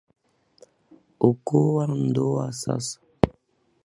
Okoa ndoa sasa